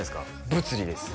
物理です